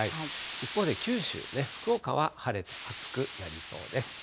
一方で九州、福岡は晴れて暑くなりそうです。